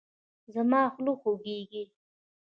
زما خوله خوږیږي